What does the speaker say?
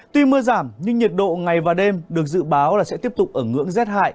tuy mưa giảm nhưng nhiệt độ ngày và đêm được dự báo là sẽ tiếp tục ở ngưỡng rét hại